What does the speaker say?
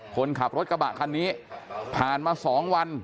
คนขับรถกระบะคันนี้ผ่านมา๒วัน